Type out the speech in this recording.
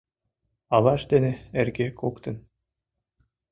Аваж дене эрге коктын